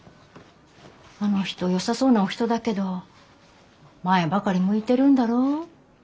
あの人よさそうなお人だけど前ばかり向いてるんだろう？